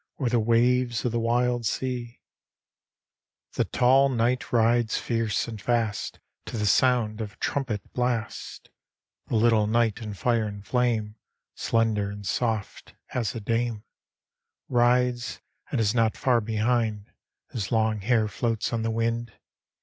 Or the waves of the wild sea? D,gt,, erihyGOOglC The fFkite Comrade The tall kntg^t rides fierce and fast To the sound of a trumpet blast The little knight in fire and flame, Slender and soft as a dame, Rides and is not far behind: His long hair floats on the wind.